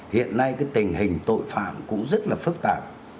hiện nay cái tình hình tội phạm cũng rất là phức tạp